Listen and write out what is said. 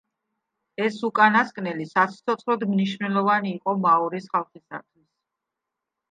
ეს უკანასკნელი სასიცოცხლოდ მნიშვნელოვანი იყო მაორის ხალხისთვის.